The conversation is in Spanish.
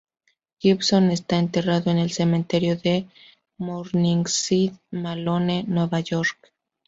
Gibson está enterrado en el cementerio de Morningside Malone, Nueva York.